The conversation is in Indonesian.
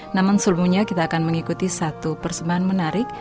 namun sebelumnya kita akan mengikuti satu persembahan menarik